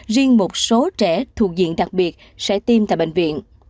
riêng một số trẻ thuộc diện đặc biệt sẽ tiêm tại bệnh viện